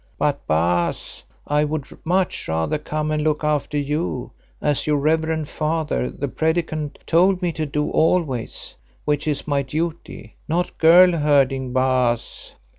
But, Baas, I would much rather come and look after you, as your reverend father, the Predikant, told me to do always, which is my duty, not girl herding, Baas.